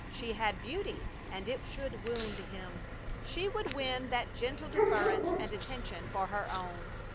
She had beauty and it should wound him. She would win that gentle deference and attention for her own.